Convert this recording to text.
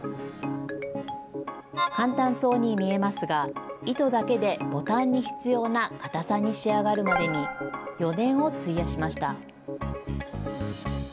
簡単そうに見えますが、糸だけでボタンに必要な硬さに仕上がるまでに４年を費やしました。